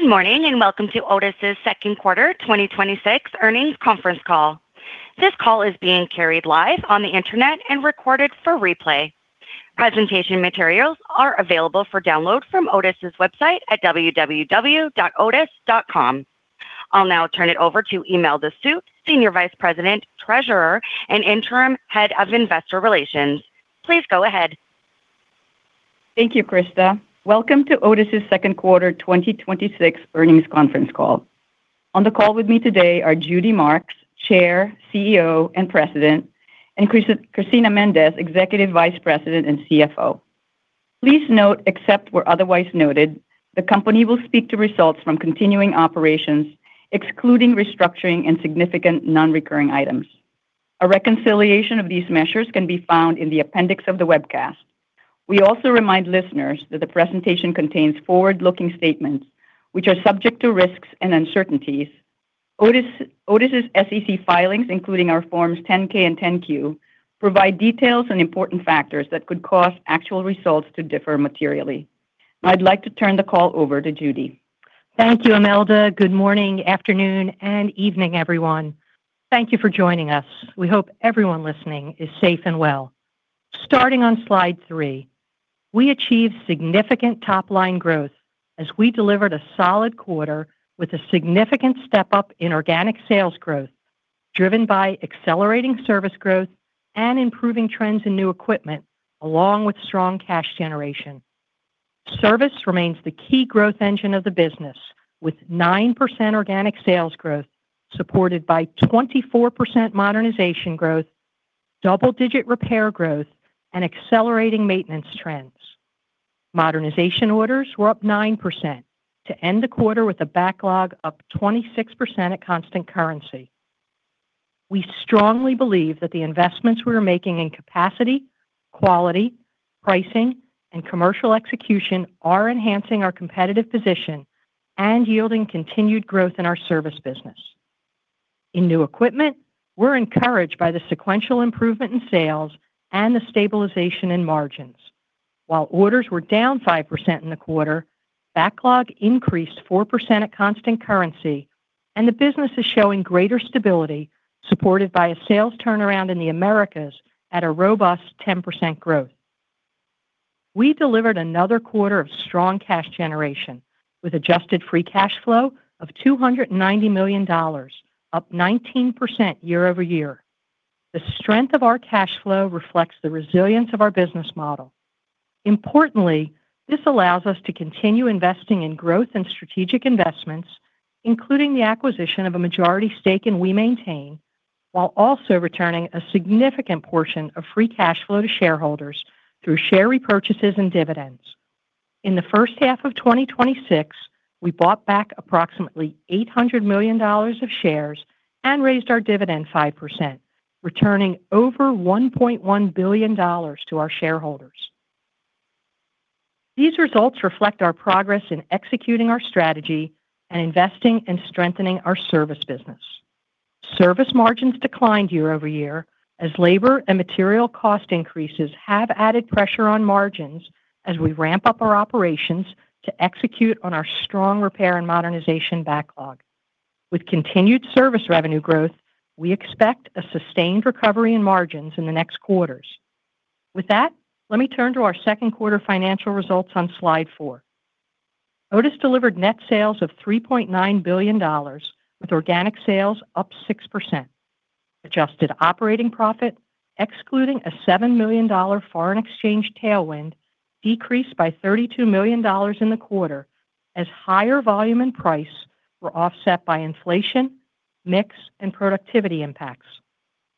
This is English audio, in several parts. Good morning. Welcome to Otis' second quarter 2026 earnings conference call. This call is being carried live on the internet and recorded for replay. Presentation materials are available for download from Otis' website at www.otis.com. I'll now turn it over to Imelda Suit, Senior Vice President, Treasurer, and Interim Head of Investor Relations. Please go ahead. Thank you, Krista. Welcome to Otis' second quarter 2026 earnings conference call. On the call with me today are Judy Marks, Chair, CEO, and President, and Cristina Mendez, Executive Vice President and CFO. Please note, except where otherwise noted, the company will speak to results from continuing operations, excluding restructuring insignificant non-recurring items. A reconciliation of these measures can be found in the appendix of the webcast. We also remind listeners that the presentation contains forward-looking statements which are subject to risks and uncertainties. Otis' SEC filings, including our Forms 10-K and 10-Q, provide details and important factors that could cause actual results to differ materially. I'd like to turn the call over to Judy. Thank you, Imelda. Good morning, afternoon, and evening, everyone. Thank you for joining us. We hope everyone listening is safe and well. Starting on slide three, we achieved significant top-line growth as we delivered a solid quarter with a significant step-up in organic sales growth, driven by accelerating service growth and improving trends in new equipment, along with strong cash generation. Service remains the key growth engine of the business, with 9% organic sales growth supported by 24% modernization growth, double-digit repair growth, and accelerating maintenance trends. Modernization orders were up 9% to end the quarter with a backlog up 26% at constant currency. We strongly believe that the investments we are making in capacity, quality, pricing, and commercial execution are enhancing our competitive position and yielding continued growth in our service business. In new equipment, we're encouraged by the sequential improvement in sales and the stabilization in margins. While orders were down 5% in the quarter, backlog increased 4% at constant currency and the business is showing greater stability, supported by a sales turnaround in the Americas at a robust 10% growth. We delivered another quarter of strong cash generation with adjusted free cash flow of $290 million, up 19% year-over-year. The strength of our cash flow reflects the resilience of our business model. Importantly, this allows us to continue investing in growth and strategic investments, including the acquisition of a majority stake in WeMaintain, while also returning a significant portion of free cash flow to shareholders through share repurchases and dividends. In the first half of 2026, we bought back approximately $800 million of shares and raised our dividend 5%, returning over $1.1 billion to our shareholders. These results reflect our progress in executing our strategy and investing and strengthening our service business. Service margins declined year-over-year as labor and material cost increases have added pressure on margins as we ramp-up our operations to execute on our strong repair and modernization backlog. With continued service revenue growth, we expect a sustained recovery in margins in the next quarters. With that, let me turn to our second quarter financial results on slide four. Otis delivered net sales of $3.9 billion with organic sales up 6%. Adjusted operating profit, excluding a $7 million foreign exchange tailwind, decreased by $32 million in the quarter as higher volume and price were offset by inflation, mix, and productivity impacts.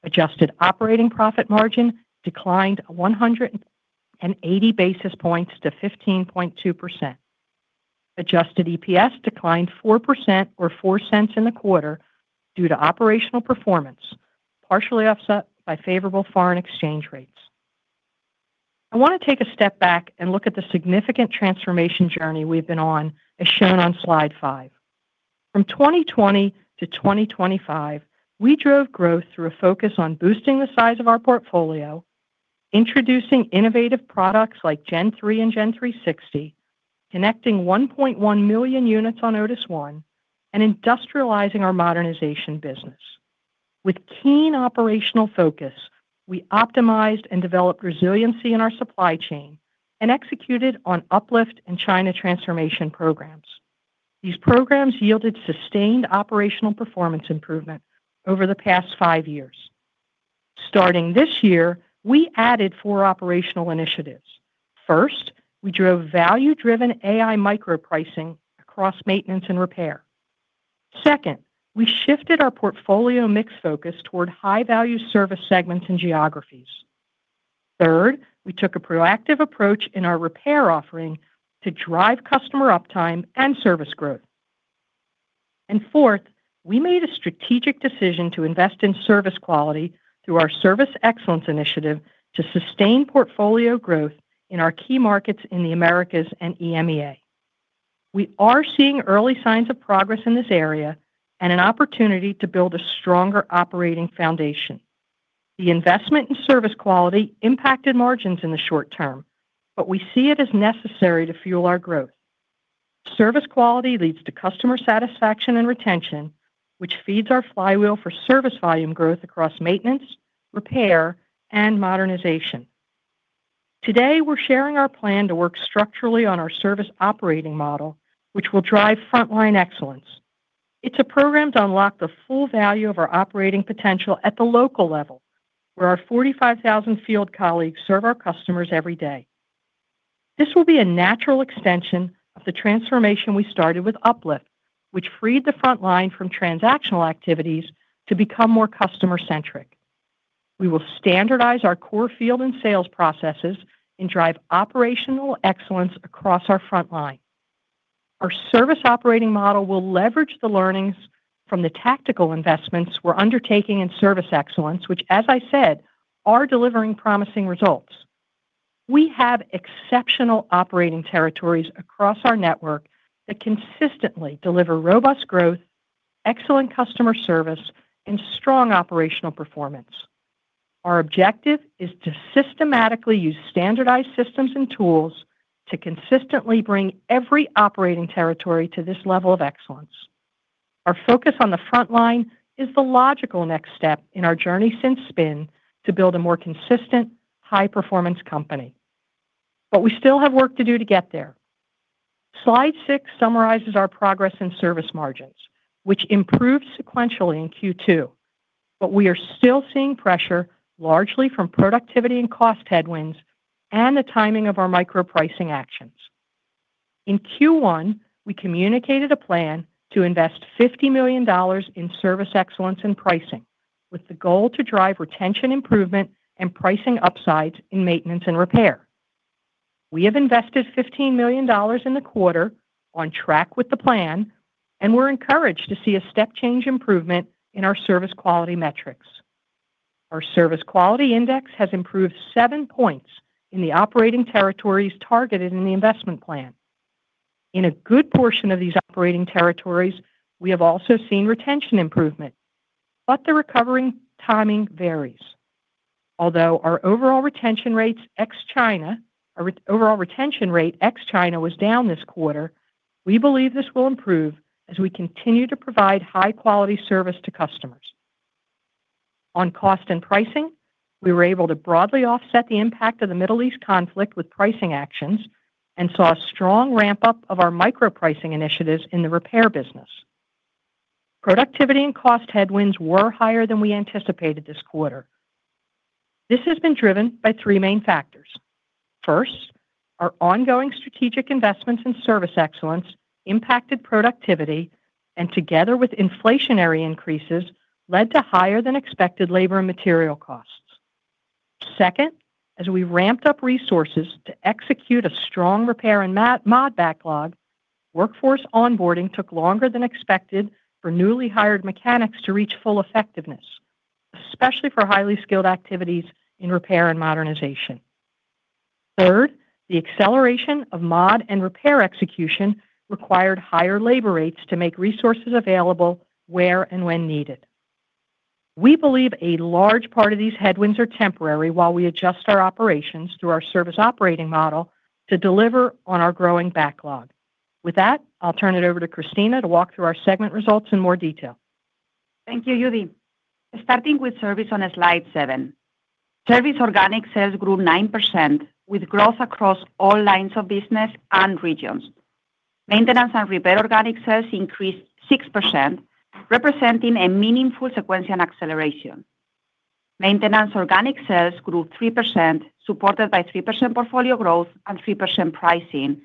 Adjusted operating profit margin declined 180 basis points to 15.2%. Adjusted EPS declined 4% or $0.04 in the quarter due to operational performance, partially offset by favorable foreign exchange rates. I want to take a step back and look at the significant transformation journey we've been on as shown on slide five. From 2020 to 2025, we drove growth through a focus on boosting the size of our portfolio, introducing innovative products like Gen3 and Gen360, connecting 1.1 million units on Otis ONE, and industrializing our modernization business. With keen operational focus, we optimized and developed resiliency in our supply chain and executed on UpLift in China transformation programs. These programs yielded sustained operational performance improvement over the past five years. Starting this year, we added four operational initiatives. First, we drove value-driven AI micro pricing across maintenance and repair. Second, we shifted our portfolio mix focus toward high-value service segments and geographies. Third, we took a proactive approach in our repair offering to drive customer uptime and service growth. Fourth, we made a strategic decision to invest in service quality through our service excellence initiative to sustain portfolio growth in our key markets in the Americas and EMEA. We are seeing early signs of progress in this area and an opportunity to build a stronger operating foundation. The investment in service quality impacted margins in the short term, but we see it as necessary to fuel our growth. Service quality leads to customer satisfaction and retention, which feeds our flywheel for service volume growth across maintenance, repair, and modernization. Today, we're sharing our plan to work structurally on our service operating model, which will drive frontline excellence. It's a program to unlock the full value of our operating potential at the local level, where our 45,000 field colleagues serve our customers every day. This will be a natural extension of the transformation we started with UpLift, which freed the frontline from transactional activities to become more customer-centric. We will standardize our core field and sales processes and drive operational excellence across our frontline. Our service operating model will leverage the learnings from the tactical investments we're undertaking in service excellence, which as I said, are delivering promising results. We have exceptional operating territories across our network that consistently deliver robust growth, excellent customer service, and strong operational performance. Our objective is to systematically use standardized systems and tools to consistently bring every operating territory to this level of excellence. Our focus on the frontline is the logical next step in our journey since Spin to build a more consistent, high-performance company. We still have work to do to get there. Slide six summarizes our progress in service margins, which improved sequentially in Q2. We are still seeing pressure largely from productivity and cost headwinds and the timing of our micro pricing actions. In Q1, we communicated a plan to invest $50 million in service excellence and pricing, with the goal to drive retention improvement and pricing upsides in maintenance and repair. We have invested $15 million in the quarter, on track with the plan, and we are encouraged to see a step-change improvement in our service quality metrics. Our service quality index has improved seven points in the operating territories targeted in the investment plan. In a good portion of these operating territories, we have also seen retention improvement, but the recovery timing varies. Although our overall retention rate ex China was down this quarter, we believe this will improve as we continue to provide high-quality service to customers. On cost and pricing, we were able to broadly offset the impact of the Middle East conflict with pricing actions and saw a strong ramp-up of our micro pricing initiatives in the repair business. Productivity and cost headwinds were higher than we anticipated this quarter. This has been driven by three main factors. First, our ongoing strategic investments in service excellence impacted productivity, and together with inflationary increases, led to higher-than-expected labor and material costs. Second, as we ramped up resources to execute a strong repair and mod backlog, workforce onboarding took longer than expected for newly hired mechanics to reach full effectiveness, especially for highly skilled activities in repair and modernization. Third, the acceleration of mod and repair execution required higher labor rates to make resources available where and when needed. We believe a large part of these headwinds are temporary while we adjust our operations through our service operating model to deliver on our growing backlog. With that, I'll turn it over to Cristina to walk through our segment results in more detail. Thank you, Judy. Starting with service on slide seven. Service organic sales grew 9%, with growth across all lines of business and regions. Maintenance and repair organic sales increased 6%, representing a meaningful sequential acceleration. Maintenance organic sales grew 3%, supported by 3% portfolio growth and 3% pricing,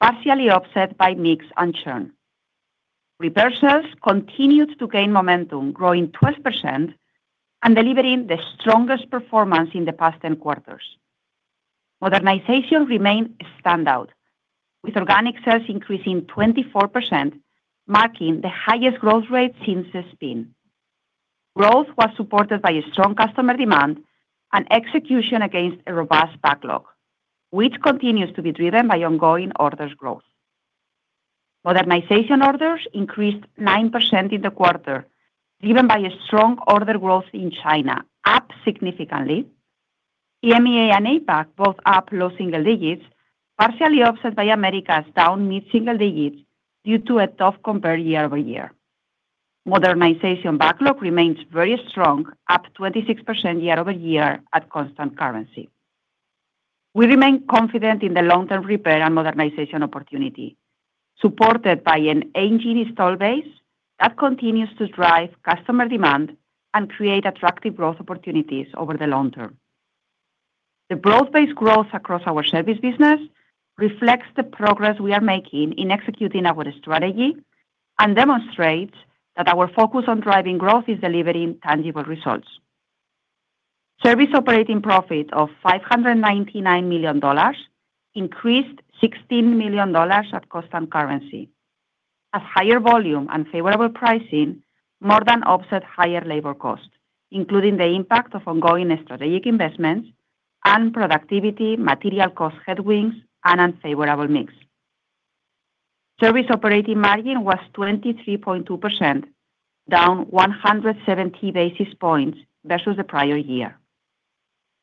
partially offset by mix and churn. Repair sales continued to gain momentum, growing 12% and delivering the strongest performance in the past 10 quarters. Modernization remained a standout, with organic sales increasing 24%, marking the highest growth rate since the Spin. Growth was supported by a strong customer demand and execution against a robust backlog, which continues to be driven by ongoing orders growth. Modernization orders increased 9% in the quarter, driven by a strong order growth in China, up significantly. EMEA and APAC, both up low single digits, partially offset by Americas down mid-single digits due to a tough compare year-over-year. Modernization backlog remains very strong, up 26% year-over-year at constant currency. We remain confident in the long-term repair and modernization opportunity, supported by an aging install base that continues to drive customer demand and create attractive growth opportunities over the long term. The broad-based growth across our service business reflects the progress we are making in executing our strategy and demonstrates that our focus on driving growth is delivering tangible results. Service operating profit of $599 million, increased $16 million at constant currency. A higher volume and favorable pricing more than offset higher labor costs, including the impact of ongoing strategic investments and productivity, material cost headwinds, and unfavorable mix. Service operating margin was 23.2%, down 170 basis points versus the prior year.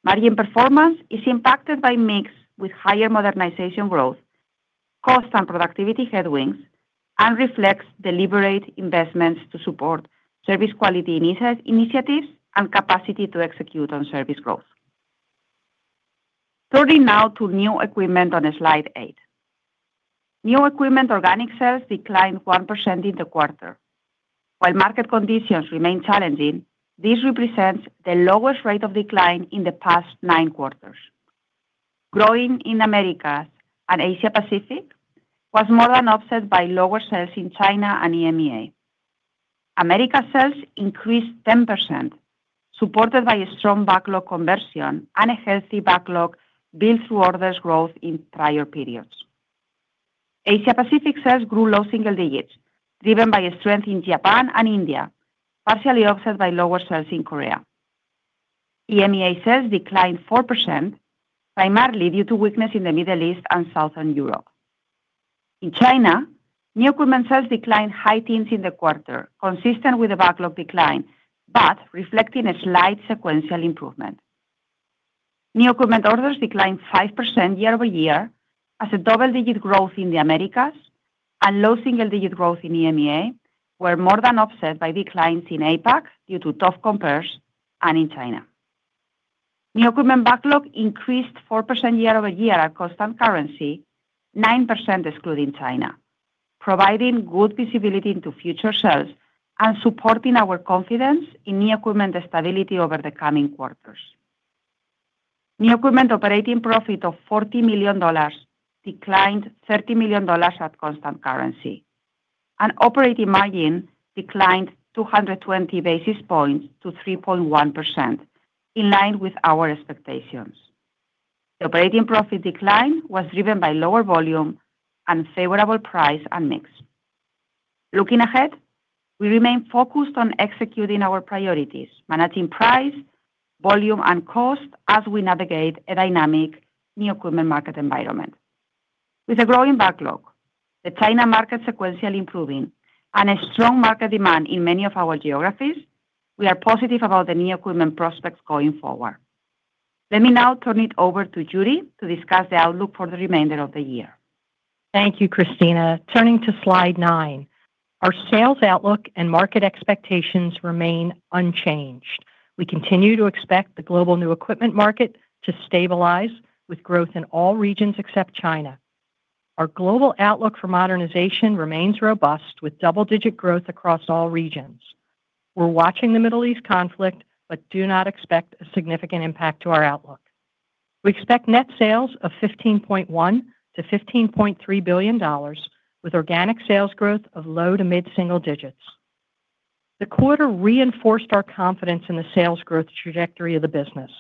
Margin performance is impacted by mix with higher modernization growth, cost and productivity headwinds, and reflects deliberate investments to support service quality initiatives and capacity to execute on service growth. Turning now to new equipment on slide eight. New equipment organic sales declined 1% in the quarter. While market conditions remain challenging, this represents the lowest rate of decline in the past nine quarters. Growing in America and Asia Pacific was more than offset by lower sales in China and EMEA. America sales increased 10%, supported by a strong backlog conversion and a healthy backlog built through orders growth in prior periods. Asia Pacific sales grew low single digits, driven by a strength in Japan and India, partially offset by lower sales in Korea. EMEA sales declined 4%, primarily due to weakness in the Middle East and Southern Europe. In China, new equipment sales declined high teens in the quarter, consistent with the backlog decline, but reflecting a slight sequential improvement. New equipment orders declined 5% year-over-year as a double-digit growth in the Americas and low single-digit growth in EMEA were more than offset by declines in APAC due to tough compares and in China. New equipment backlog increased 4% year-over-year at constant currency, 9% excluding China, providing good visibility into future sales and supporting our confidence in new equipment stability over the coming quarters. New equipment operating profit of $40 million, declined $30 million at constant currency, and operating margin declined 220 basis points to 3.1%, in line with our expectations. The operating profit decline was driven by lower volume, unfavorable price, and mix. Looking ahead, we remain focused on executing our priorities, managing price, volume, and cost as we navigate a dynamic new equipment market environment. With a growing backlog, the China market sequentially improving, and a strong market demand in many of our geographies, we are positive about the new equipment prospects going forward. Let me now turn it over to Judy to discuss the outlook for the remainder of the year. Thank you, Cristina. Turning to slide nine. Our sales outlook and market expectations remain unchanged. We continue to expect the global new equipment market to stabilize with growth in all regions except China. Our global outlook for modernization remains robust with double-digit growth across all regions. We're watching the Middle East conflict, but do not expect a significant impact to our outlook. We expect net sales of $15.1-$15.3 billion with organic sales growth of low to mid-single digits. The quarter reinforced our confidence in the sales growth trajectory of the business.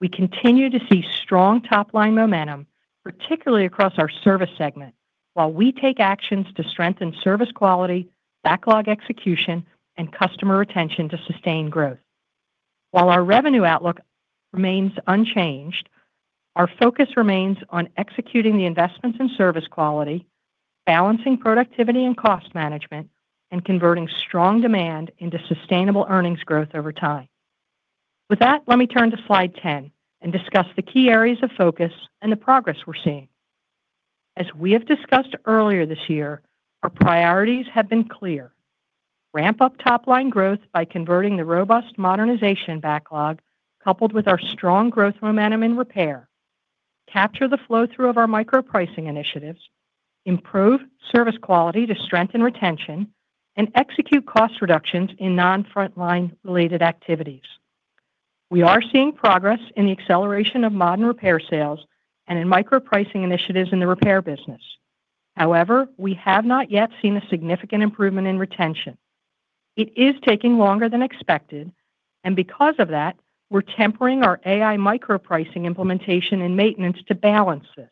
We continue to see strong top-line momentum, particularly across our service segment, while we take actions to strengthen service quality, backlog execution, and customer retention to sustain growth. While our revenue outlook remains unchanged, our focus remains on executing the investments in service quality, balancing productivity and cost management, and converting strong demand into sustainable earnings growth over time. With that, let me turn to slide 10 and discuss the key areas of focus and the progress we're seeing. As we have discussed earlier this year, our priorities have been clear. Ramp-up top-line growth by converting the robust modernization backlog, coupled with our strong growth momentum in repair, capture the flow-through of our micro-pricing initiatives, improve service quality to strengthen retention, and execute cost reductions in non-frontline related activities. We are seeing progress in the acceleration of modern repair sales and in micro-pricing initiatives in the repair business. However, we have not yet seen a significant improvement in retention. It is taking longer than expected. Because of that, we're tempering our AI micro-pricing implementation and maintenance to balance this.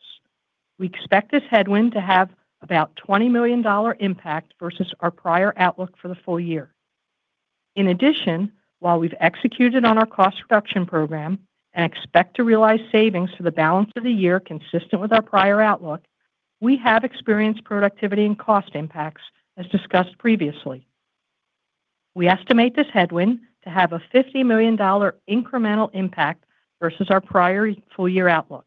We expect this headwind to have about $20 million impact versus our prior outlook for the full-year. In addition, while we've executed on our cost reduction program and expect to realize savings for the balance of the year consistent with our prior outlook, we have experienced productivity and cost impacts as discussed previously. We estimate this headwind to have a $50 million incremental impact versus our prior full-year outlook.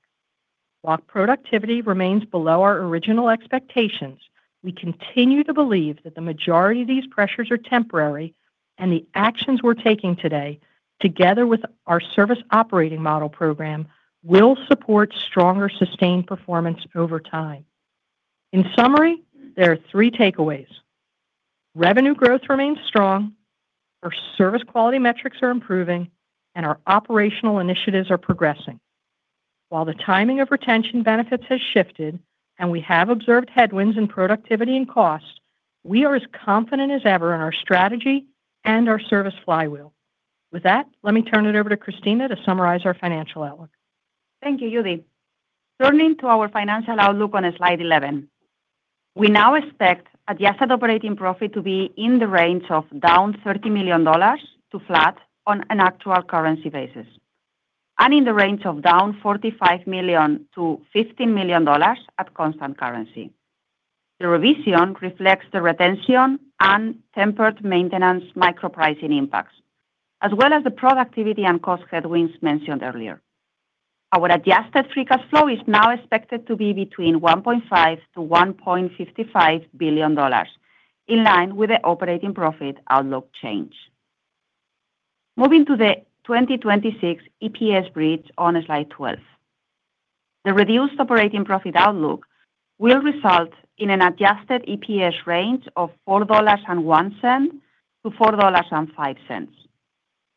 While productivity remains below our original expectations, we continue to believe that the majority of these pressures are temporary and the actions we're taking today, together with our service operating model program, will support stronger sustained performance over time. In summary, there are three takeaways. Revenue growth remains strong, our service quality metrics are improving, and our operational initiatives are progressing. While the timing of retention benefits has shifted and we have observed headwinds in productivity and cost, we are as confident as ever in our strategy and our service flywheel. With that, let me turn it over to Cristina to summarize our financial outlook. Thank you, Judy. Turning to our financial outlook on slide 11. We now expect adjusted operating profit to be in the range of down $30 million to flat on an actual currency basis. In the range of down $45 million-$15 million at constant currency. The revision reflects the retention and tempered maintenance micro-pricing impacts, as well as the productivity and cost headwinds mentioned earlier. Our adjusted free cash flow is now expected to be between $1.5 billion-$1.55 billion, in line with the operating profit outlook change. Moving to the 2026 EPS bridge on slide 12. The reduced operating profit outlook will result in an adjusted EPS range of $4.01-$4.05.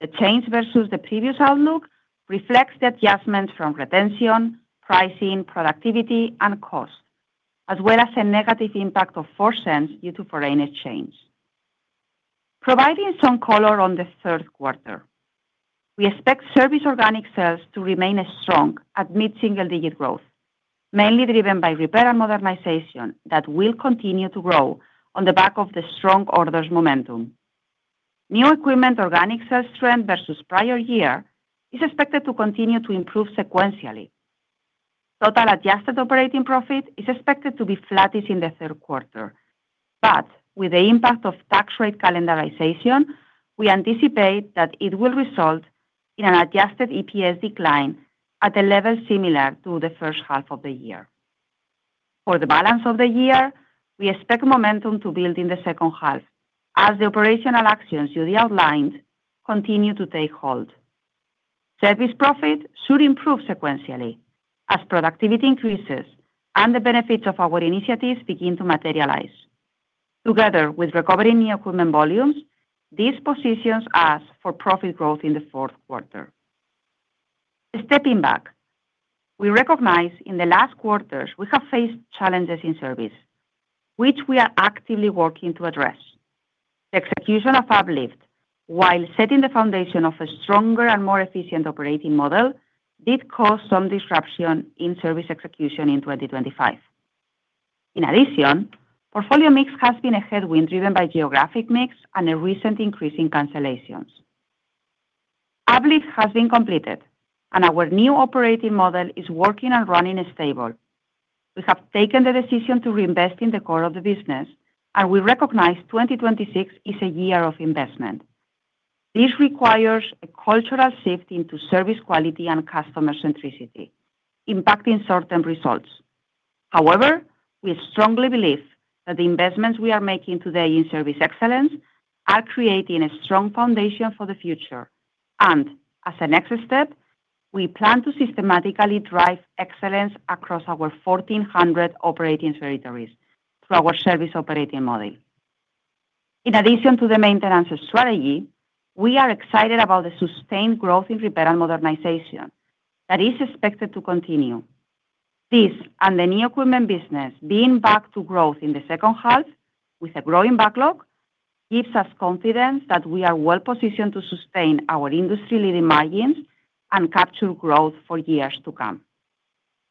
The change versus the previous outlook reflects the adjustments from retention, pricing, productivity, and cost, as well as a negative impact of $0.04 due to foreign exchange. Providing some color on the third quarter, we expect service organic sales to remain strong at mid-single-digit growth, mainly driven by repair and modernization that will continue to grow on the back of the strong orders momentum. New equipment organic sales trend versus prior year is expected to continue to improve sequentially. Total adjusted operating profit is expected to be flattish in the third quarter, but with the impact of tax rate calendarization, we anticipate that it will result in an adjusted EPS decline at a level similar to the first half of the year. For the balance of the year, we expect momentum to build in the second half as the operational actions Judy outlined continue to take hold. Service profit should improve sequentially as productivity increases and the benefits of our initiatives begin to materialize. Together with recovering new equipment volumes, these positions us for profit growth in the fourth quarter. Stepping back, we recognize in the last quarters, we have faced challenges in service, which we are actively working to address. The execution of UpLift, while setting the foundation of a stronger and more efficient operating model, did cause some disruption in service execution in 2025. In addition, portfolio mix has been a headwind driven by geographic mix and a recent increase in cancellations. UpLift has been completed, and our new operating model is working and running stable. We have taken the decision to reinvest in the core of the business, and we recognize 2026 is a year of investment. This requires a cultural shift into service quality and customer centricity, impacting certain results. However, we strongly believe that the investments we are making today in service excellence are creating a strong foundation for the future. As a next step, we plan to systematically drive excellence across our 1,400 operating territories through our service operating model. In addition to the maintenance strategy, we are excited about the sustained growth in repair and modernization that is expected to continue. This and the new equipment business being back to growth in the second half with a growing backlog gives us confidence that we are well-positioned to sustain our industry-leading margins and capture growth for years to come.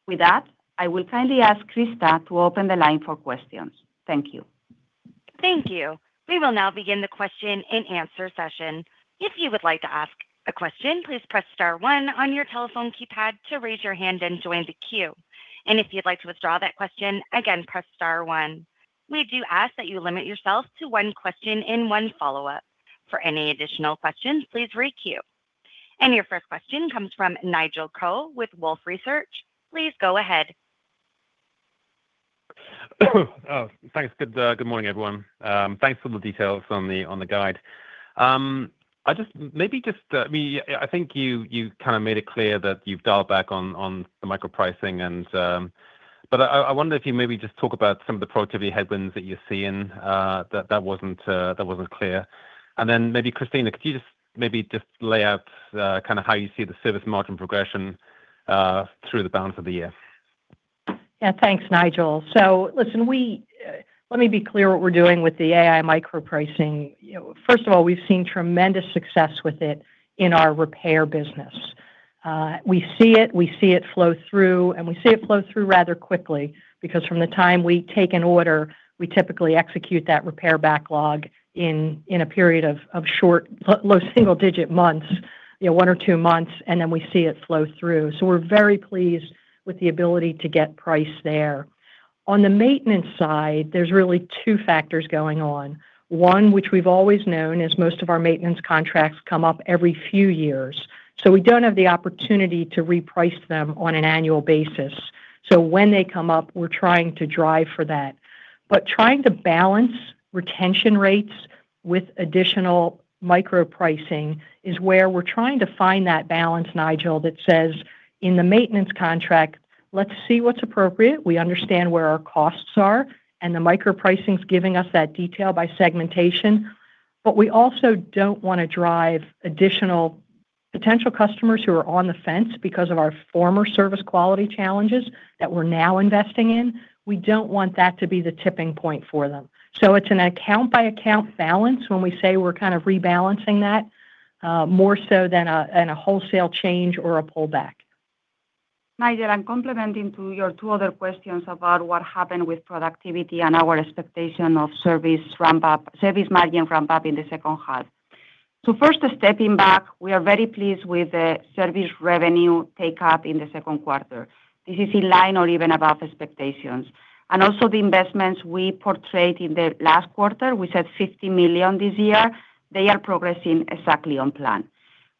With that, I will kindly ask Krista to open the line for questions. Thank you. Thank you. We will now begin the question-and-answer session. If you would like to ask a question, please press star one on your telephone keypad to raise your hand and join the queue. If you'd like to withdraw that question, again, press star one. We do ask that you limit yourself to one question and one follow-up. For any additional questions, please re-queue. Your first question comes from Nigel Coe with Wolfe Research. Please go ahead. Oh, thanks. Good morning, everyone. Thanks for the details on the guide. I think you kind of made it clear that you've dialed back on the micro-pricing, but I wonder if you maybe just talk about some of the productivity headwinds that you're seeing that wasn't clear. Then Cristina, could you just lay out kind of how you see the service margin progression through the balance of the year? Yeah. Thanks, Nigel. Listen, let me be clear what we're doing with the AI micro-pricing. First of all, we've seen tremendous success with it in our repair business. We see it flow through, we see it flow through rather quickly, because from the time we take an order, we typically execute that repair backlog in a period of short, low single-digit months, one or two months, then we see it flow through. We're very pleased with the ability to get price there. On the maintenance side, there's really two factors going on. One, which we've always known, is most of our maintenance contracts come up every few years. We don't have the opportunity to reprice them on an annual basis. When they come up, we're trying to drive for that. Trying to balance retention rates with additional micro-pricing is where we're trying to find that balance, Nigel, that says, in the maintenance contract, let's see what's appropriate. We understand where our costs are, the micro-pricing is giving us that detail by segmentation. We also don't want to drive additional potential customers who are on the fence because of our former service quality challenges that we're now investing in. We don't want that to be the tipping point for them. It's an account-by-account balance when we say we're kind of rebalancing that, more so than a wholesale change or a pullback. Nigel, I'm complementing to your two other questions about what happened with productivity and our expectation of service margin ramp-up in the second half. First, stepping back, we are very pleased with the service revenue take-up in the second quarter. This is in line or even above expectations. Also the investments we portrayed in the last quarter, we said $50 million this year, they are progressing exactly on plan.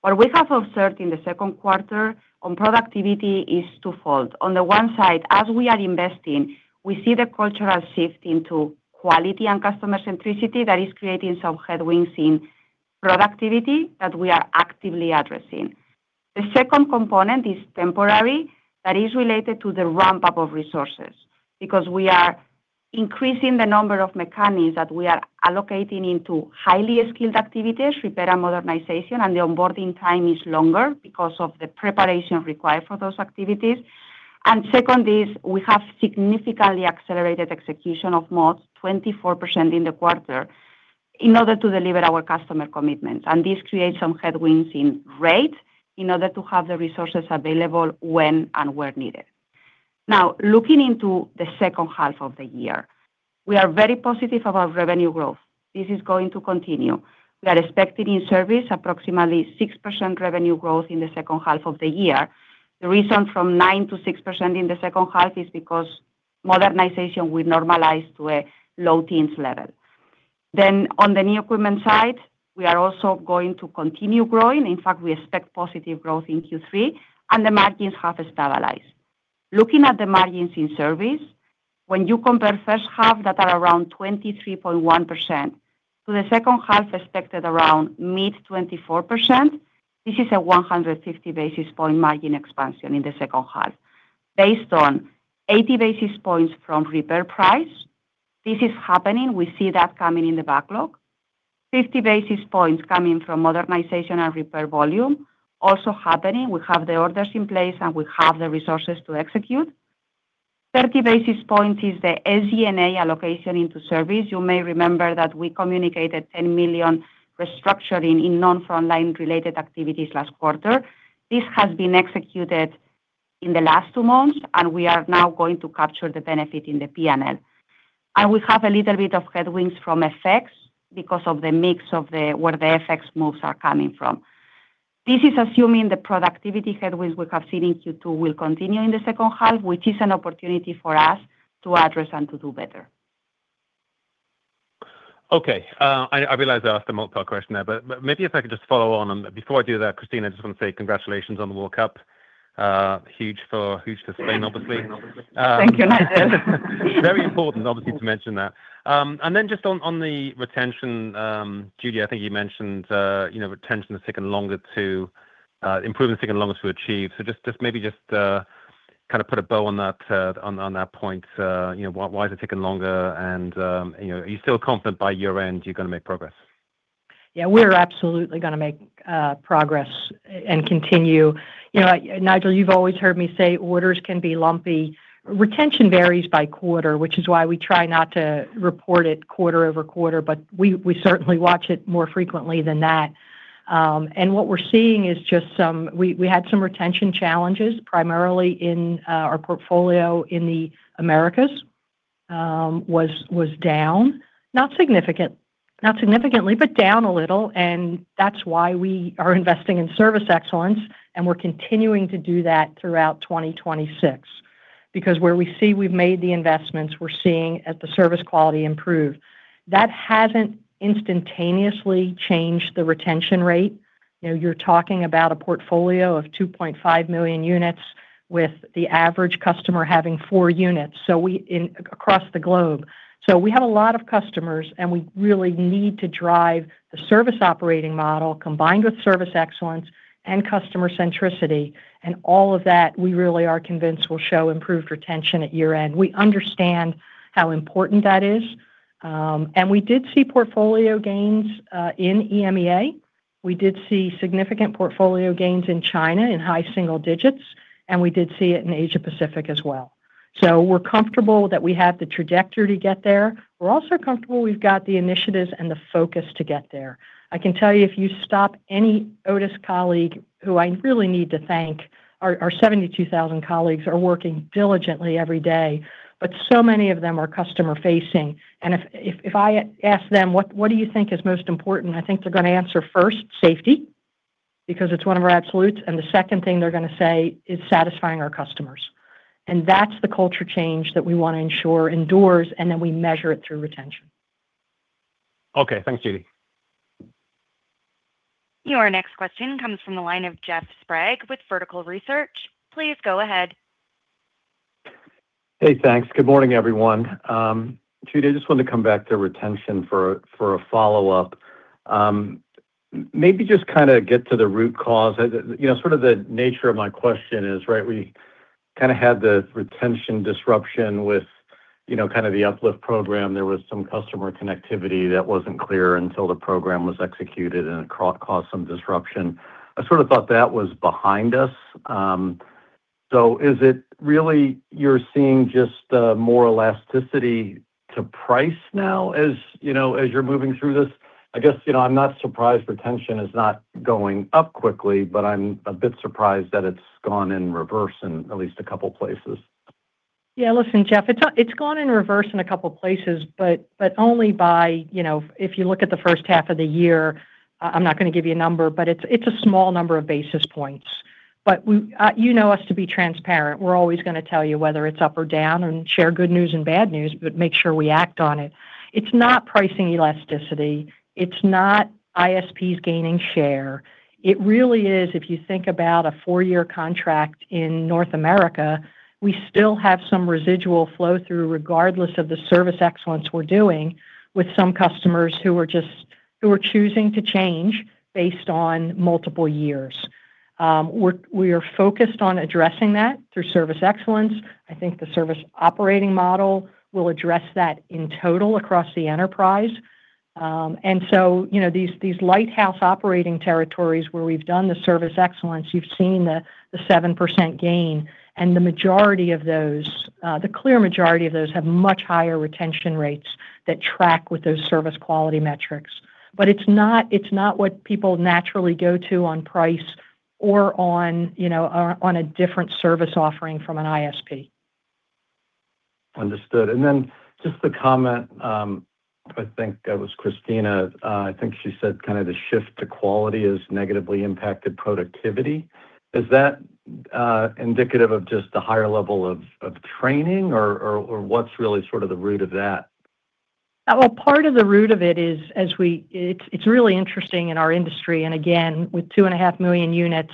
What we have observed in the second quarter on productivity is twofold. The one side, as we are investing, we see the cultural shift into quality and customer centricity that is creating some headwinds in productivity that we are actively addressing. The second component is temporary, that is related to the ramp-up of resources. Because we are increasing the number of mechanics that we are allocating into highly skilled activities, repair, and modernization, the onboarding time is longer because of the preparation required for those activities. Second is we have significantly accelerated execution of mods 24% in the quarter in order to deliver our customer commitments. This creates some headwinds in rate in order to have the resources available when and where needed. Now, looking into the second half of the year, we are very positive of our revenue growth. This is going to continue. We are expecting in service approximately 6% revenue growth in the second half of the year. The reason from 9%-6% in the second half is because modernization will normalize to a low teens level. On the new equipment side, we are also going to continue growing. In fact, we expect positive growth in Q3, and the margins have stabilized. Looking at the margins in service, when you compare first half that are around 23.1% to the second half expected around mid-24%, this is a 150 basis point margin expansion in the second half. Based on 80 basis points from repair price, this is happening. We see that coming in the backlog. 50 basis points coming from modernization and repair volume, also happening. We have the orders in place, and we have the resources to execute. 30 basis points is the SG&A allocation into service. You may remember that we communicated $10 million restructuring in non-frontline related activities last quarter. This has been executed in the last two months, and we are now going to capture the benefit in the P&L. We have a little bit of headwinds from FX because of the mix of where the FX moves are coming from. This is assuming the productivity headwinds we have seen in Q2 will continue in the second half, which is an opportunity for us to address and to do better. Okay. I realize I asked a multi-part question there, maybe if I could just follow on. Before I do that, Cristina, I just want to say congratulations on the World Cup. Huge to Spain, obviously. Thank you, Nigel. Then just on the retention, Judy, I think you mentioned improvement is taking longer to achieve. Just maybe kind of put a bow on that point. Why is it taking longer, and are you still confident by year-end you're going to make progress? Yeah, we're absolutely going to make progress and continue. Nigel, you've always heard me say orders can be lumpy. Retention varies by quarter, which is why we try not to report it quarter-over-quarter, but we certainly watch it more frequently than that. What we're seeing is just we had some retention challenges, primarily in our portfolio in the Americas was down, not significantly, but down a little, and that's why we are investing in service excellence, and we're continuing to do that throughout 2026. Where we see we've made the investments, we're seeing the service quality improve. That hasn't instantaneously changed the retention rate. You're talking about a portfolio of 2.5 million units with the average customer having four units across the globe. We have a lot of customers, and we really need to drive the service operating model combined with service excellence and customer centricity, and all of that we really are convinced will show improved retention at year-end. We understand how important that is. We did see portfolio gains in EMEA. We did see significant portfolio gains in China in high single digits, and we did see it in Asia Pacific as well. We're comfortable that we have the trajectory to get there. We're also comfortable we've got the initiatives and the focus to get there. I can tell you, if you stop any Otis colleague, who I really need to thank, our 72,000 colleagues are working diligently every day, but so many of them are customer-facing. If I ask them, "What do you think is most important?" I think they're going to answer first, safety, because it's one of our absolutes, and the second thing they're going to say is satisfying our customers. That's the culture change that we want to ensure endures, and then we measure it through retention. Okay. Thanks, Judy. Your next question comes from the line of Jeff Sprague with Vertical Research. Please go ahead. Hey, thanks. Good morning, everyone. Judy, I just wanted to come back to retention for a follow-up. Maybe just kind of get to the root cause. Sort of the nature of my question is we kind of had the retention disruption with kind of the UpLift program. There was some customer connectivity that wasn't clear until the program was executed, and it caused some disruption. I sort of thought that was behind us. Is it really you're seeing just more elasticity to price now as you're moving through this? I guess I'm not surprised retention is not going up quickly, but I'm a bit surprised that it's gone in reverse in at least a couple of places. Yeah. Listen, Jeff, it's gone in reverse in a couple of places, but only by, if you look at the first half of the year, I'm not going to give you a number, but it's a small number of basis points. You know us to be transparent. We're always going to tell you whether it's up or down and share good news and bad news, but make sure we act on it. It's not pricing elasticity, it's not ISPs gaining share. It really is, if you think about a four-year contract in North America, we still have some residual flow through, regardless of the service excellence we're doing with some customers who are choosing to change based on multiple years. We are focused on addressing that through service excellence. I think the service operating model will address that in total across the enterprise. These lighthouse operating territories where we've done the service excellence, you've seen the 7% gain, and the clear majority of those have much higher retention rates that track with those service quality metrics. It's not what people naturally go to on price or on a different service offering from an ISP. Understood. Just a comment. I think that was Cristina. I think she said the shift to quality has negatively impacted productivity. Is that indicative of just the higher level of training, or what's really sort of the root of that? Well, part of the root of it is, it's really interesting in our industry, and again, with two and a half million units,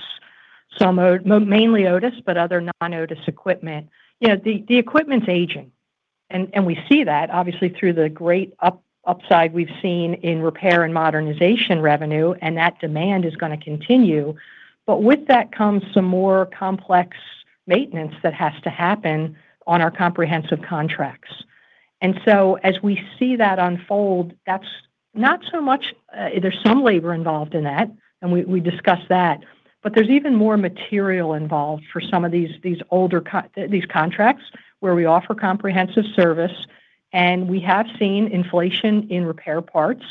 mainly Otis, but other non-Otis equipment. The equipment's aging. We see that obviously through the great upside we've seen in repair and modernization revenue, and that demand is going to continue. With that comes some more complex maintenance that has to happen on our comprehensive contracts. As we see that unfold, there's some labor involved in that, and we discuss that, but there's even more material involved for some of these contracts where we offer comprehensive service. We have seen inflation in repair parts.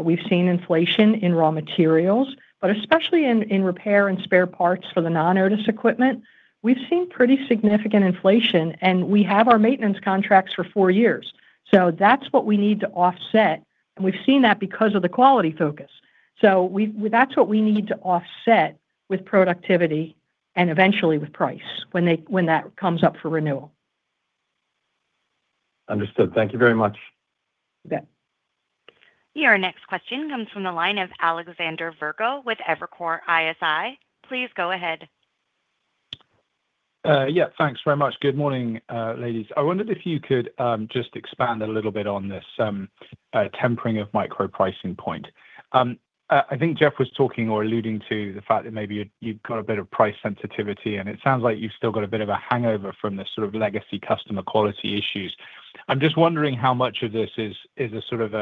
We've seen inflation in raw materials, but especially in repair and spare parts for the non-Otis equipment. We've seen pretty significant inflation, and we have our maintenance contracts for four years. That's what we need to offset, and we've seen that because of the quality focus. That's what we need to offset with productivity and eventually with price when that comes up for renewal. Understood. Thank you very much. You bet. Your next question comes from the line of Alexander Virgo with Evercore ISI. Please go ahead. Thanks very much. Good morning, ladies. I wondered if you could just expand a little bit on this tempering of micro pricing point. I think Jeff was talking or alluding to the fact that maybe you've got a bit of price sensitivity, and it sounds like you've still got a bit of a hangover from the sort of legacy customer quality issues. I'm just wondering how much of this is a sort of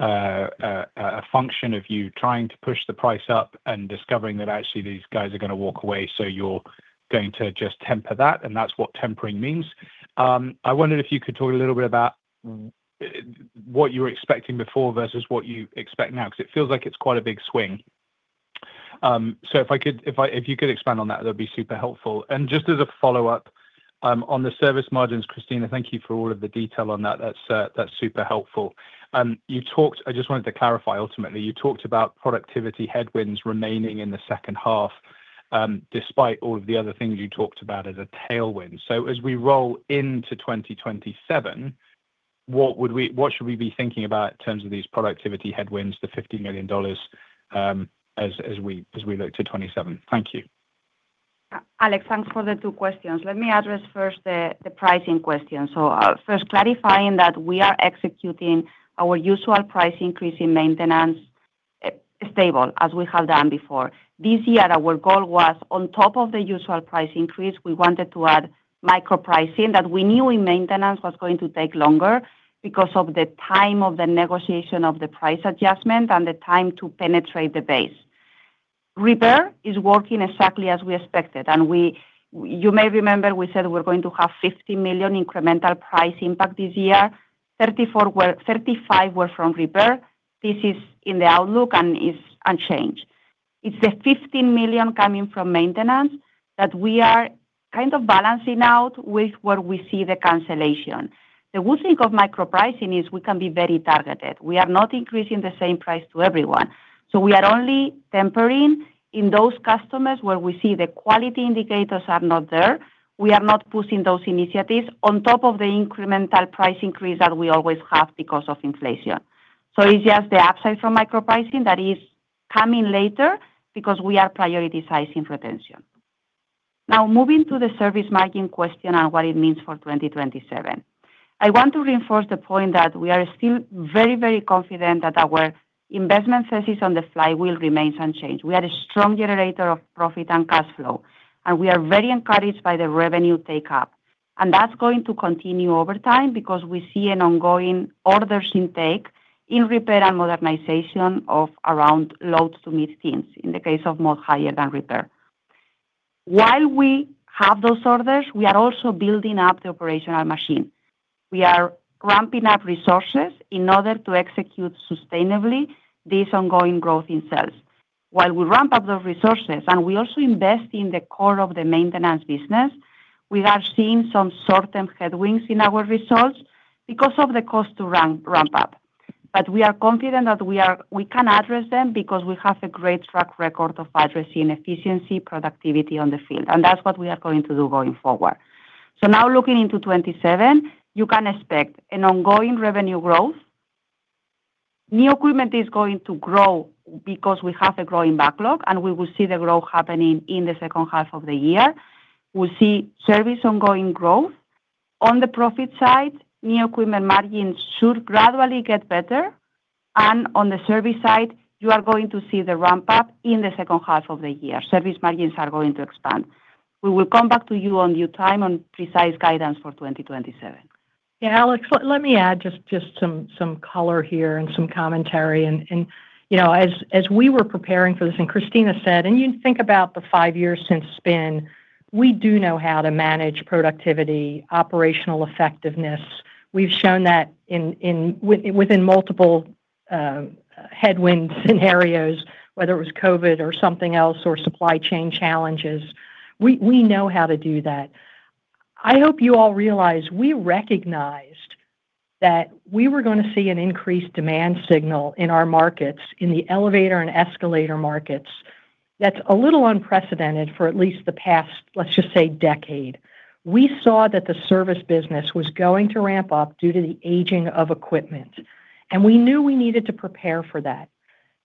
a function of you trying to push the price up and discovering that actually these guys are going to walk away, so you're going to just temper that, and that's what tempering means. I wondered if you could talk a little bit about what you were expecting before versus what you expect now, because it feels like it's quite a big swing. If you could expand on that'd be super helpful. Just as a follow-up, on the service margins, Cristina, thank you for all of the detail on that. That's super helpful. I just wanted to clarify, ultimately, you talked about productivity headwinds remaining in the second half, despite all of the other things you talked about as a tailwind. As we roll into 2027, what should we be thinking about in terms of these productivity headwinds, the $50 million, as we look to 2027? Thank you. Alex, thanks for the two questions. Let me address first the pricing question. First, clarifying that we are executing our usual price increase in maintenance stable as we have done before. This year, our goal was on top of the usual price increase, we wanted to add micro pricing that we knew in maintenance was going to take longer because of the time of the negotiation of the price adjustment and the time to penetrate the base. Repair is working exactly as we expected, and you may remember we said we're going to have $50 million incremental price impact this year. $35 million were from repair. This is in the outlook and is unchanged. It's the $15 million coming from maintenance that we are kind of balancing out with where we see the cancellation. The good thing of micro pricing is we can be very targeted. We are not increasing the same price to everyone. We are only tempering in those customers where we see the quality indicators are not there. We are not pushing those initiatives on top of the incremental price increase that we always have because of inflation. It's just the upside from micro pricing that is coming later because we are prioritizing retention. Moving to the service margin question and what it means for 2027. I want to reinforce the point that we are still very confident that our investment thesis on the fly will remain unchanged. We are a strong generator of profit and cash flow, and we are very encouraged by the revenue take-up. That's going to continue over time because we see an ongoing orders intake in repair and modernization of around low to mid-teens in the case of more higher than repair. While we have those orders, we are also building up the operational machine. We are ramping up resources in order to execute sustainably this ongoing growth in sales. While we ramp-up the resources, and we also invest in the core of the maintenance business, we are seeing some short-term headwinds in our results because of the cost to ramp-up. We are confident that we can address them because we have a great track record of addressing efficiency, productivity on the field, and that's what we are going to do going forward. Now looking into 2027, you can expect an ongoing revenue growth. New equipment is going to grow because we have a growing backlog, and we will see the growth happening in the second half of the year. We'll see service ongoing growth. On the profit side, new equipment margins should gradually get better. On the service side, you are going to see the ramp-up in the second half of the year. Service margins are going to expand. We will come back to you on due time on precise guidance for 2027. Yeah, Alex, let me add just some color here and some commentary. As we were preparing for this, and Cristina said, and you think about the five years since spin, we do know how to manage productivity, operational effectiveness. We've shown that within multiple headwind scenarios, whether it was COVID or something else, or supply chain challenges. We know how to do that. I hope you all realize we recognized that we were going to see an increased demand signal in our markets, in the elevator and escalator markets, that's a little unprecedented for at least the past, let's just say, decade. We saw that the service business was going to ramp-up due to the aging of equipment, and we knew we needed to prepare for that.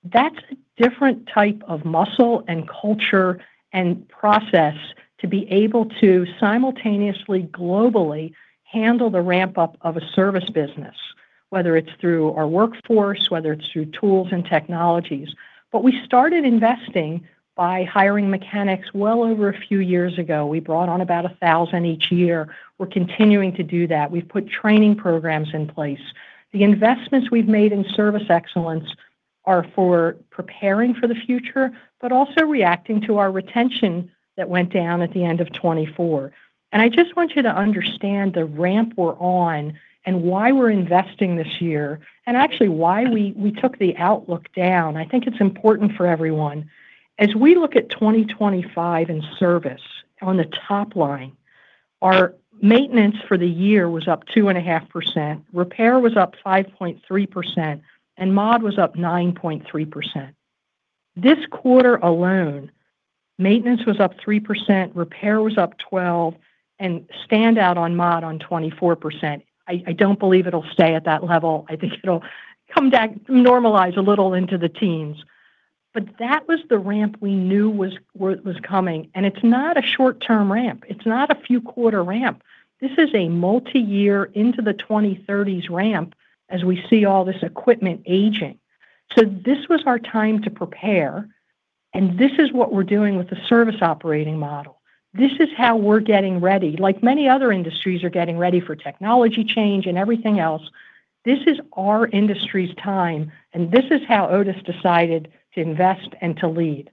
That's a different type of muscle and culture and process to be able to simultaneously, globally handle the ramp-up of a service business, whether it's through our workforce, whether it's through tools and technologies. We started investing by hiring mechanics well over a few years ago. We brought on about 1,000 each year. We're continuing to do that. We've put training programs in place. The investments we've made in service excellence are for preparing for the future, but also reacting to our retention that went down at the end of 2024. I just want you to understand the ramp we're on, and why we're investing this year, and actually why we took the outlook down. I think it's important for everyone. As we look at 2025 in service on the top line, our maintenance for the year was up 2.5%, repair was up 5.3%, and mod was up 9.3%. This quarter alone, maintenance was up 3%, repair was up 12%, and stand out on mod on 24%. I don't believe it'll stay at that level. I think it'll come back, normalize a little into the teens. That was the ramp we knew was coming, and it's not a short-term ramp. It's not a few quarter ramp. This is a multiyear into the 2030s ramp as we see all this equipment aging. This was our time to prepare, and this is what we're doing with the service operating model. This is how we're getting ready. Like many other industries are getting ready for technology change and everything else, this is our industry's time, and this is how Otis decided to invest and to lead.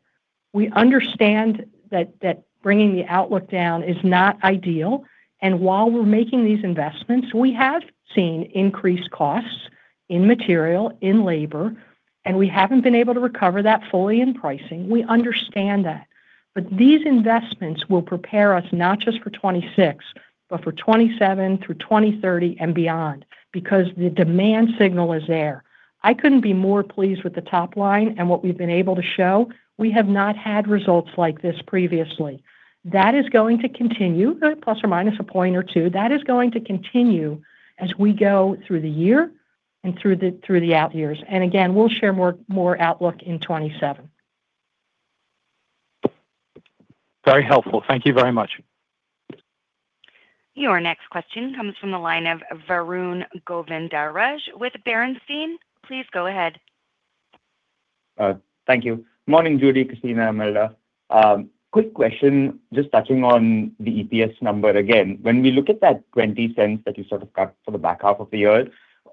We understand that bringing the outlook down is not ideal. While we're making these investments, we have seen increased costs in material, in labor, and we haven't been able to recover that fully in pricing. We understand that. These investments will prepare us not just for 2026, but for 2027 through 2030 and beyond, because the demand signal is there. I couldn't be more pleased with the top line and what we've been able to show. We have not had results like this previously. That is going to continue, plus or minus a point or two. That is going to continue as we go through the year and through the out years. Again, we'll share more outlook in 2027. Very helpful. Thank you very much. Your next question comes from the line of Varun Govindaraj with Bernstein. Please go ahead. Thank you. Morning, Judy, Cristina, Imelda. Quick question, just touching on the EPS number again. When we look at that $0.20 that you sort of cut for the back half of the year,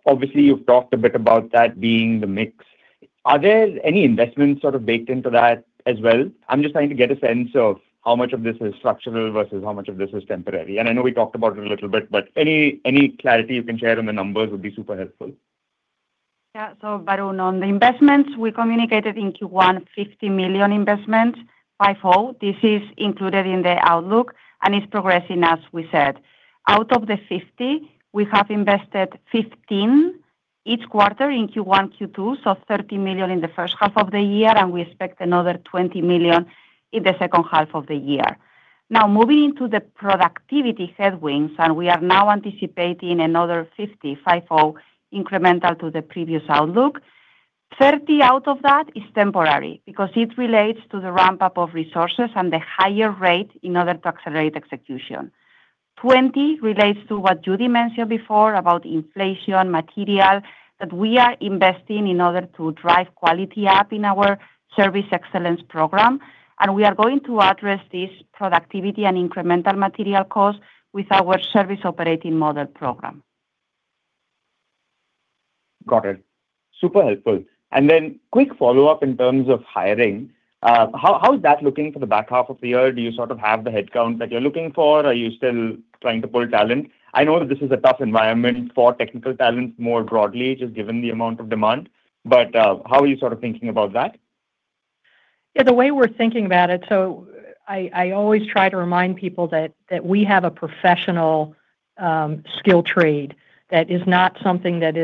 obviously, you've talked a bit about that being the mix. Are there any investments sort of baked into that as well? I'm just trying to get a sense of how much of this is structural versus how much of this is temporary. I know we talked about it a little bit, but any clarity you can share on the numbers would be super helpful. Yeah. Varun, on the investments, we communicated in Q1 $50 million investment, 5-0. This is included in the outlook and is progressing as we said. Out of the $50, we have invested $15 each quarter in Q1, Q2, so $30 million in the first half of the year, and we expect another $20 million in the second half of the year. Now, moving into the productivity headwinds, we are now anticipating another $50, 5-0, incremental to the previous outlook. $30 out of that is temporary because it relates to the ramp-up of resources and the higher rate in order to accelerate execution. $20 relates to what Judy mentioned before about inflation material that we are investing in order to drive quality up in our Service Excellence Program. We are going to address this productivity and incremental material cost with our Service Operating Model Program. Got it. Super helpful. Then quick follow-up in terms of hiring. How is that looking for the back half of the year? Do you sort of have the headcount that you're looking for? Are you still trying to pull talent? I know that this is a tough environment for technical talent more broadly, just given the amount of demand, how are you thinking about that? The way we're thinking about it, I always try to remind people that we have a professional skill trade that is not something that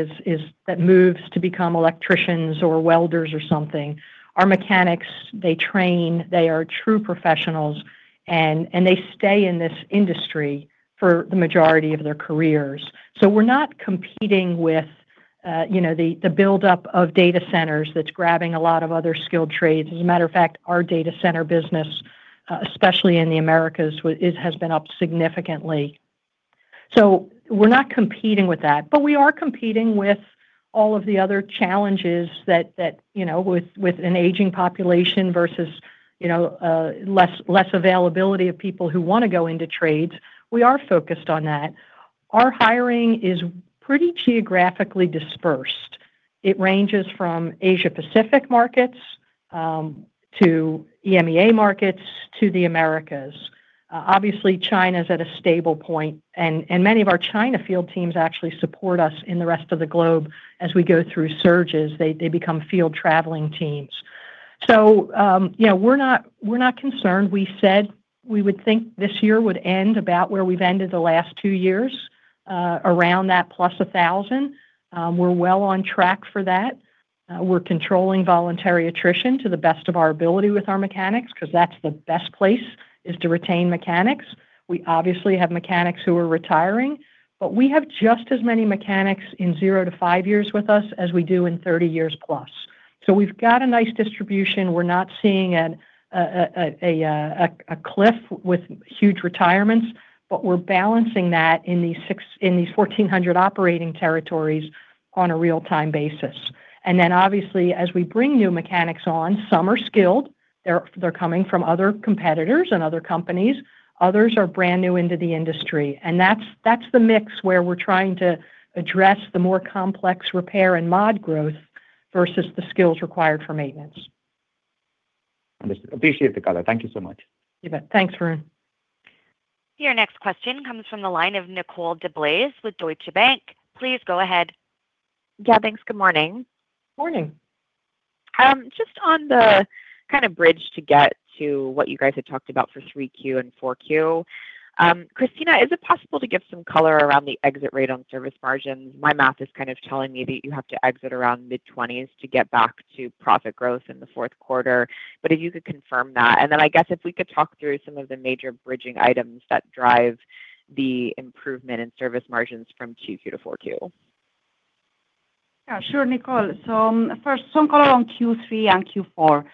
moves to become electricians or welders or something. Our mechanics, they train, they are true professionals, and they stay in this industry for the majority of their careers. We're not competing with the buildup of data centers that's grabbing a lot of other skilled trades. As a matter of fact, our data center business, especially in the Americas, it has been up significantly. We're not competing with that, we are competing with all of the other challenges that with an aging population versus less availability of people who want to go into trades. We are focused on that. Our hiring is pretty geographically dispersed. It ranges from Asia Pacific markets, to EMEA markets, to the Americas. Obviously, China's at a stable point, many of our China field teams actually support us in the rest of the globe as we go through surges. They become field traveling teams. We're not concerned. We said we would think this year would end about where we've ended the last two years, around that plus 1,000. We're well on track for that. We're controlling voluntary attrition to the best of our ability with our mechanics, because that's the best place, is to retain mechanics. We obviously have mechanics who are retiring, but we have just as many mechanics in 0-5 years with us as we do in 30+ years. We've got a nice distribution. We're not seeing a cliff with huge retirements, but we're balancing that in these 1,400 operating territories on a real-time basis. Obviously, as we bring new mechanics on, some are skilled. They're coming from other competitors and other companies. Others are brand new into the industry. That's the mix where we're trying to address the more complex repair and mod growth versus the skills required for maintenance. Understood. Appreciate the color. Thank you so much. You bet. Thanks, Varun. Your next question comes from the line of Nicole DeBlase with Deutsche Bank. Please go ahead. Yeah, thanks. Good morning. Morning. Just on the kind of bridge to get to what you guys had talked about for 3Q and 4Q. Cristina, is it possible to give some color around the exit rate on service margins? My math is kind of telling me that you have to exit around mid-20s to get back to profit growth in the fourth quarter. If you could confirm that, and then I guess if we could talk through some of the major bridging items that drive the improvement in service margins from Q2 to 4Q? Yeah, sure, Nicole. First, some color on Q3 and Q4.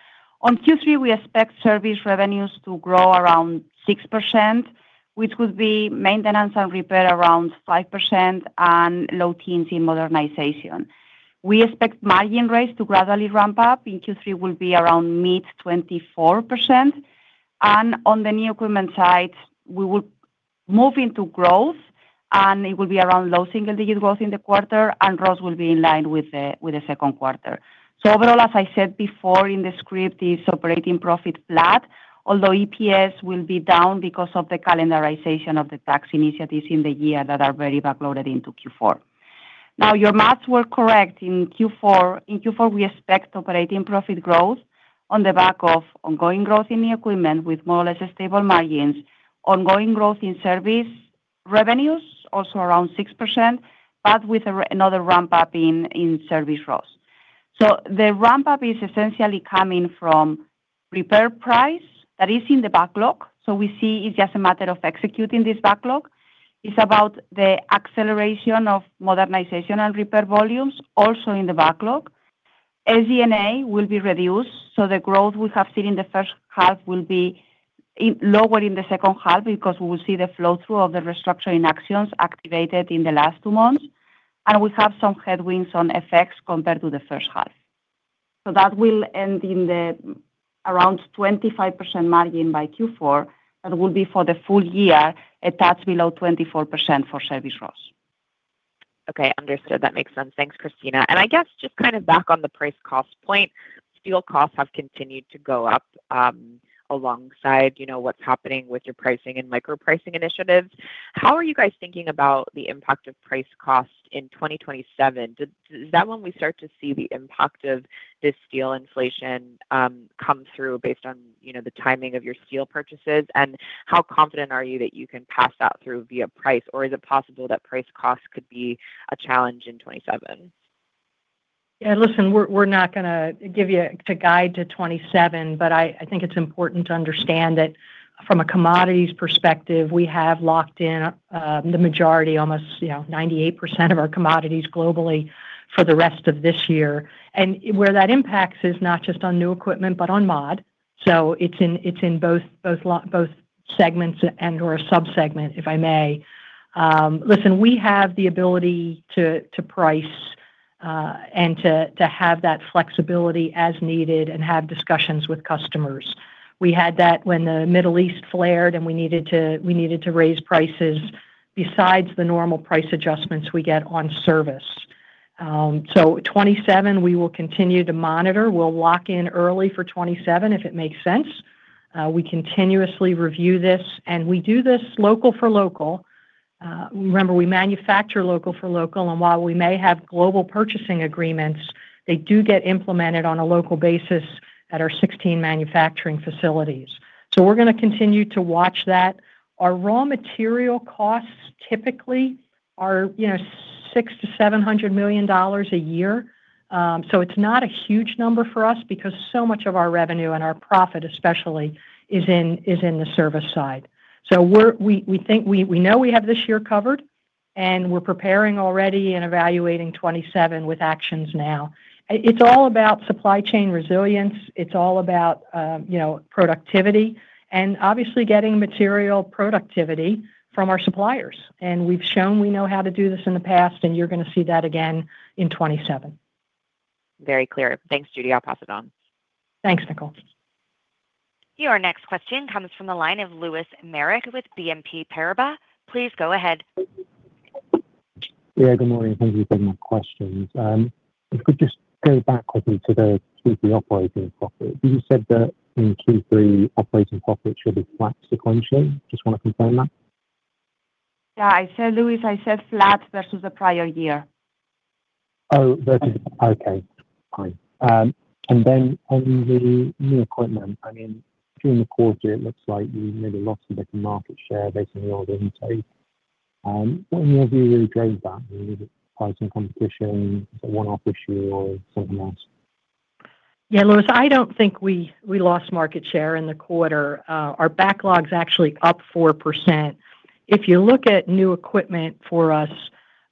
On Q3, we expect service revenues to grow around 6%, which would be maintenance and repair around 5% and low teens in modernization. We expect margin rates to gradually ramp-up. In Q3 will be around mid-24%. On the new equipment side, we will move into growth, and it will be around low single-digit growth in the quarter, and growth will be in line with the second quarter. Overall, as I said before in the script, is operating profit flat, although EPS will be down because of the calendarization of the tax initiatives in the year that are very back-loaded into Q4. Your maths were correct. In Q4, we expect operating profit growth on the back of ongoing growth in the equipment with more or less stable margins, ongoing growth in service revenues, also around 6%, but with another ramp-up in service growth. The ramp-up is essentially coming from repair price that is in the backlog. We see it's just a matter of executing this backlog. It's about the acceleration of modernization and repair volumes, also in the backlog. SG&A will be reduced, so the growth we have seen in the first half will be lower in the second half because we will see the flow-through of the restructuring actions activated in the last two months, and we have some headwinds on FX compared to the first half. That will end in around 25% margin by Q4. That will be for the full-year, a touch below 24% for service growth. Okay, understood. That makes sense. Thanks, Cristina. I guess just kind of back on the price cost point, steel costs have continued to go up, alongside what's happening with your pricing and micro-pricing initiatives. How are you guys thinking about the impact of price cost in 2027? Is that when we start to see the impact of this steel inflation come through based on the timing of your steel purchases, and how confident are you that you can pass that through via price? Or is it possible that price cost could be a challenge in 2027? Yeah, listen, we're not going to give you a guide to 2027, but I think it's important to understand that from a commodities perspective, we have locked in the majority almost, 98% of our commodities globally for the rest of this year. Where that impacts is not just on new equipment, but on mod. It's in both segments and/or sub-segment, if I may. Listen, we have the ability to price, and to have that flexibility as needed and have discussions with customers. We had that when the Middle East flared, and we needed to raise prices besides the normal price adjustments we get on service. 2027, we will continue to monitor. We'll lock in early for 2027 if it makes sense. We continuously review this, and we do this local for local. Remember, we manufacture local for local. While we may have global purchasing agreements, they do get implemented on a local basis at our 16 manufacturing facilities. We're going to continue to watch that. Our raw material costs typically are $600 million-$700 million a year. It's not a huge number for us because so much of our revenue and our profit especially, is in the service side. We know we have this year covered, and we're preparing already and evaluating 2027 with actions now. It's all about supply chain resilience. It's all about productivity and obviously getting material productivity from our suppliers. We've shown we know how to do this in the past, and you're going to see that again in 2027. Very clear. Thanks, Judy. I'll pass it on. Thanks, Nicole. Your next question comes from the line of Lewis Merrick with BNP Paribas. Please go ahead. Good morning. Thank you for taking my questions. If we could just go back quickly to the Q3 operating profit. You said that in Q3, operating profit should be flat sequentially. Just want to confirm that. Lewis, I said flat versus the prior year. Oh, okay. Fine. Then on the new equipment, during the quarter, it looks like you made a loss of market share based on the order intake. What in your view drove that? Was it pricing competition, a one-off issue, or something else? Lewis, I don't think we lost market share in the quarter. Our backlog's actually up 4%. If you look at new equipment for us,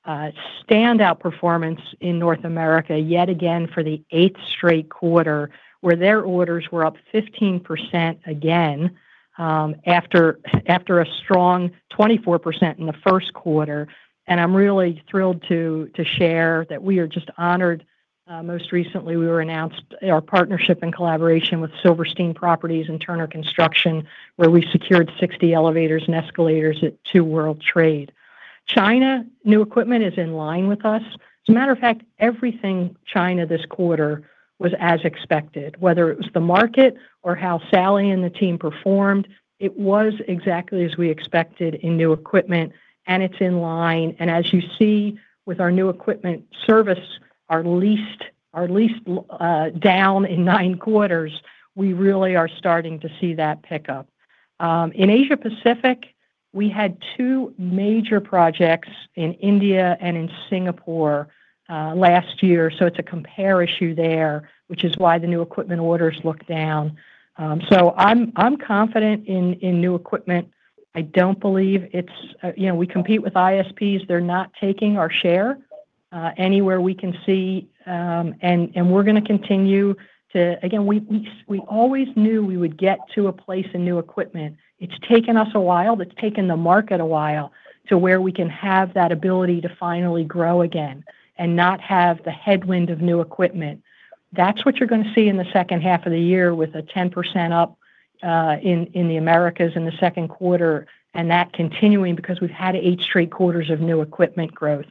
standout performance in North America yet again for the eighth straight quarter, where their orders were up 15% again, after a strong 24% in the first quarter. I'm really thrilled to share that we are just honored. Most recently, we were announced our partnership and collaboration with Silverstein Properties and Turner Construction, where we secured 60 elevators and escalators at Two World Trade. China, new equipment is in line with us. As a matter of fact, everything China this quarter was as expected, whether it was the market or how Sally and the team performed, it was exactly as we expected in new equipment, and it's in line. As you see with our new equipment service, our least down in nine quarters, we really are starting to see that pick up. In Asia Pacific, we had two major projects in India and in Singapore last year, so it's a compare issue there, which is why the new equipment orders look down. I'm confident in new equipment. We compete with ISPs. They're not taking our share anywhere we can see. Again, we always knew we would get to a place in new equipment. It's taken us a while. It's taken the market a while to where we can have that ability to finally grow again and not have the headwind of new equipment. That's what you're going to see in the second half of the year with a 10% up in the Americas in the second quarter, and that continuing because we've had eight straight quarters of new equipment growth.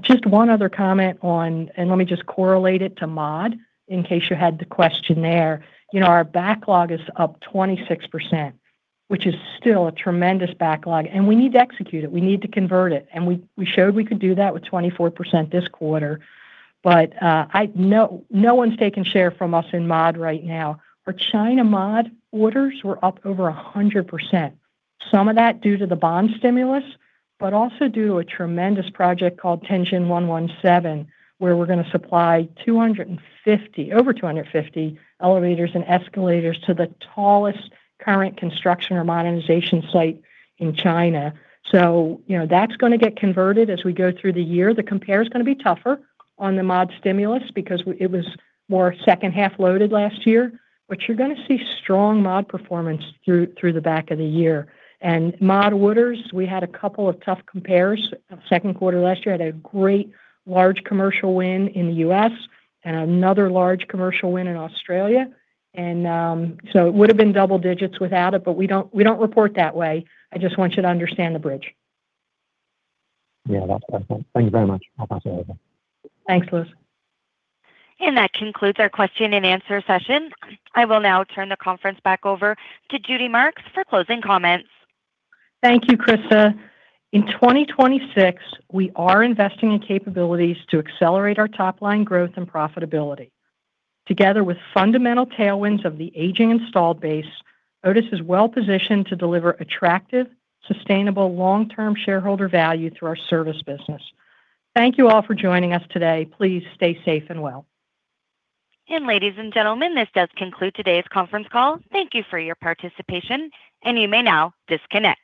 Just one other comment on, and let me just correlate it to mod, in case you had the question there. Our backlog is up 26%, which is still a tremendous backlog, and we need to execute it. We need to convert it. We showed we could do that with 24% this quarter. No one's taken share from us in mod right now. Our China mod orders were up over 100%. Some of that due to the bond stimulus, but also due to a tremendous project called Tianjin 117, where we're going to supply over 250 elevators and escalators to the tallest current construction or modernization site in China. That's going to get converted as we go through the year. The compare is going to be tougher on the mod stimulus because it was more second-half loaded last year. You're going to see strong mod performance through the back of the year. Mod orders, we had a couple of tough compares. Second quarter last year had a great large commercial win in the U.S. and another large commercial win in Australia. It would've been double digits without it, but we don't report that way. I just want you to understand the bridge. Yeah, that's helpful. Thank you very much. I'll pass it over. Thanks, Lewis. That concludes our question-and-answer session. I will now turn the conference back over to Judy Marks for closing comments. Thank you, Krista. In 2026, we are investing in capabilities to accelerate our top-line growth and profitability. Together with fundamental tailwinds of the aging installed base, Otis is well-positioned to deliver attractive, sustainable long-term shareholder value through our service business. Thank you all for joining us today. Please stay safe and well. Ladies and gentlemen, this does conclude today's conference call. Thank you for your participation, and you may now disconnect.